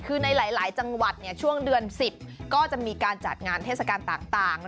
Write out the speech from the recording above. คือในหลายจังหวัดช่วงเดือน๑๐ก็จะมีการจัดงานเทศกาลต่าง